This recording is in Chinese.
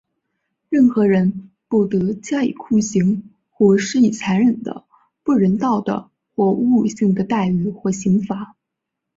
任何人不得加以酷刑,或施以残忍的、不人道的或侮辱性的待遇或刑罚。